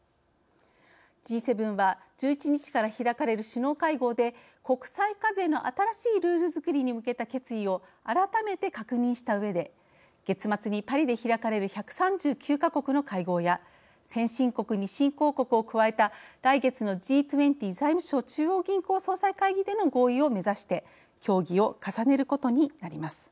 Ｇ７は１１日から開かれる首脳会合で国際課税の新しいルールづくりに向けた決意を改めて確認したうえで月末にパリで開かれる１３９か国の会合や先進国に新興国を加えた来月のＧ２０財務相中央銀行総裁会議での合意を目指して協議を重ねることになります。